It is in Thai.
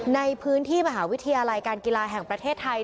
ในพื้นที่มหาวิทยาลัยการกีฬาแห่งประเทศไทย